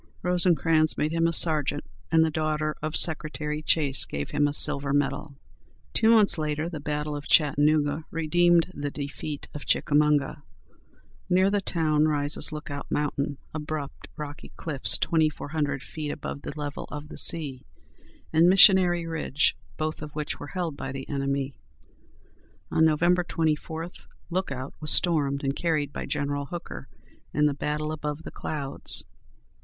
Rosecrans, made him a sergeant, and the daughter of Secretary Chase gave him a silver medal. Two months later, the battle of Chattanooga redeemed the defeat of Chickamauga. Near the town rises Lookout Mountain, abrupt, rocky cliffs twenty four hundred feet above the level of the sea, and Missionary Ridge, both of which were held by the enemy. On Nov. 24, Lookout was stormed and carried by General Hooker in the "Battle above the Clouds."